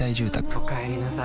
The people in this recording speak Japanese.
おかえりなさい。